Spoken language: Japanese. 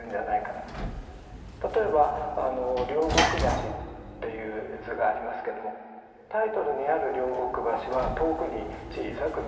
たとえば両国橋っていう図がありますけどもタイトルにある両国橋は遠くに小さく見えている。